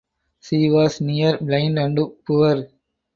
She was near blind and poor.